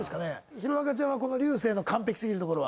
弘中ちゃんはこの流星の完璧すぎるところは？